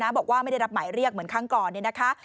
บอกว่าไม่ได้รับหมายเรียกเหมือนครั้งก่อนเนี่ยนะคะ